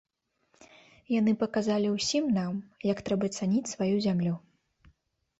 Яны паказалі ўсім нам, як трэба цаніць сваю зямлю!